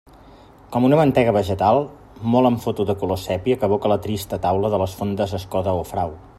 Com una mantega vegetal, molt en foto de color sépia que evoca la trista taula de les fondes Escoda o Frau.